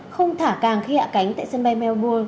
không thả càng khi hạ cánh tại sân bay melbourg